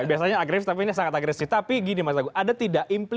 biasanya agresif tapi ini sangat agresif tapi getar sekali ya akar agar strong u